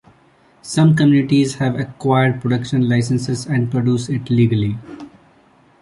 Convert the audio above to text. Some communities have acquired production licences and produce it legally.